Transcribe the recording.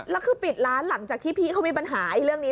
แล้วคือปิดร้านหลังจากที่พี่เขามีปัญหาเรื่องนี้